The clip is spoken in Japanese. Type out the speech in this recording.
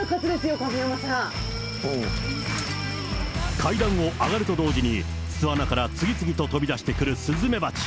階段を上がると同時に、巣穴から次々と飛び出してくるスズメバチ。